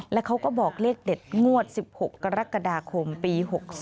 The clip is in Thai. แล้วเขาก็บอกเลขเด็ดงวด๑๖กรกฎาคมปี๖๒